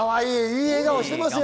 いい笑顔してますよ。